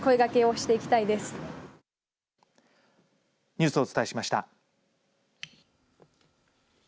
ニュースをお伝えしました。